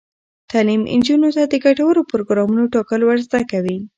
تعلیم نجونو ته د ګټورو پروګرامونو ټاکل ور زده کوي.